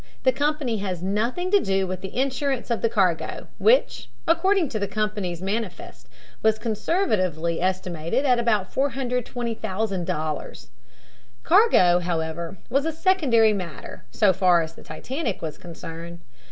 The company has nothing to do with the insurance of the cargo, which, according to the company's manifest, was conservatively estimated at about $420,000. Cargo, however, was a secondary matter, so far as the Titanic was concerned.